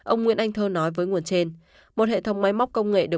ông nguyễn anh thơ nói với nguồn trên